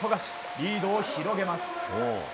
リードを広げます。